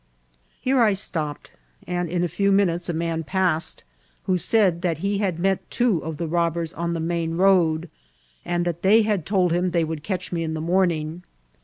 Here I stopped, and in a few minutes a man passed^ who said that Ife had met two of the robbers on the main road, and that they had told him they would catch me in the morning.